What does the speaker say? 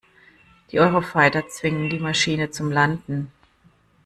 Die Eurofighter zwingen die Maschine zum Landen.